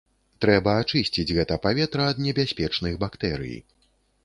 Трэба ачысціць гэта паветра ад небяспечных бактэрый.